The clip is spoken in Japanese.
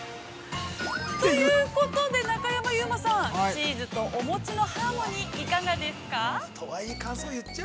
◆ということで、中山優馬さん、チーズのお餅のハーモニーいかがですか。